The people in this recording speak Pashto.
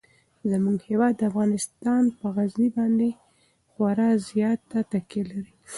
زموږ هیواد افغانستان په غزني باندې خورا زیاته تکیه لري.